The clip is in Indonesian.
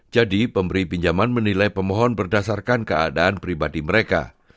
jadi pemberi pinjaman menilai pemohon berdasarkan keadaan pribadi mereka